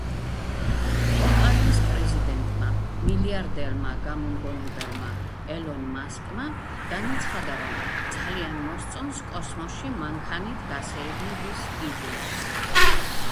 კომპანიის პრეზიდენტმა, მილიარდერმა, გამომგონებელმა ელონ მასკმა განაცხადა, რომ ძალიან მოსწონს კოსმოსში მანქანით გასეირნების იდეა.